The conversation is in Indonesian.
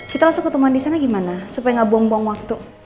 kita langsung ketemuan di sana gimana supaya nggak buang buang waktu